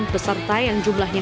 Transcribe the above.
menarik nggak ini